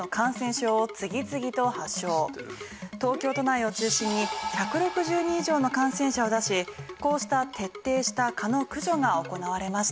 東京都内を中心に１６０人以上の感染者を出しこうした徹底した蚊の駆除が行われました。